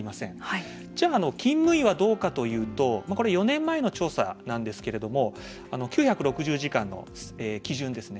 じゃあ勤務医はどうかというとこれ４年前の調査なんですけれども９６０時間の基準ですね